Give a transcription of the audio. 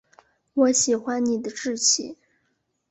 我喜欢你的志气